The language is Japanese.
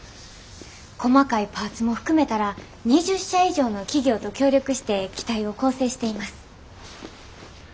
細かいパーツも含めたら２０社以上の企業と協力して機体を構成しています。